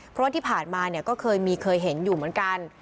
เพราะว่าที่ผ่านมาเนี่ยก็เคยมีเคยเห็นอยู่เหมือนกัน